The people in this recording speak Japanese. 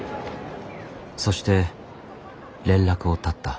そして連絡を絶った。